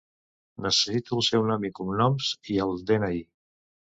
Necessito el seu nom i cognoms i de-ena-i.